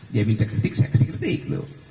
dia minta kritik saya kasih kritik loh